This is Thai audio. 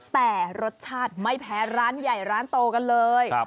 แต่รสชาติไม่แพ้ร้านใหญ่ร้านโตกันเลย